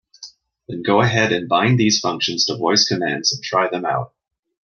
Then go ahead and bind these functions to voice commands and try them out.